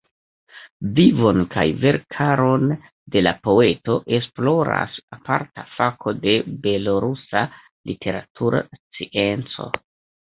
Vivon kaj verkaron de la poeto, esploras aparta fako de belorusa literatura scienco.